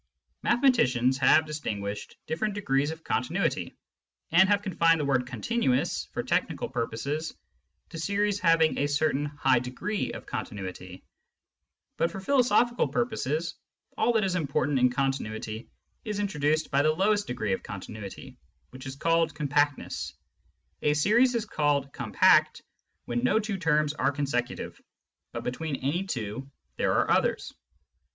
Mathematicians have distinguished different degrees of continuity, and have confined the word " continuous," for technical purposes; to series having a certain high degree of continuity. But for philosophical purposes, all that is important in continuity is introduced by the lowest degree of continuity, which is called " compactness." A series is called "compact" when no two terms are consecutive, but between any two there are others.